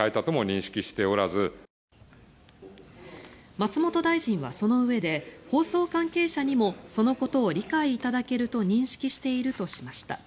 松本大臣はそのうえで放送関係者にもそのことを理解いただけると認識しているとしました。